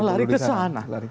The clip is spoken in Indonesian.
lari ke sana